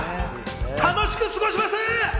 楽しく過ごします！